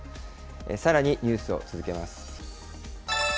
さらにニュースを続けます。